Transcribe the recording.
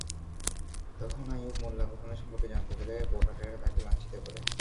তখন আইয়ুব মোল্লা ঘটনা সম্পর্কে জানতে গেলে বখাটেরা তাঁকে লাঞ্ছিত করে।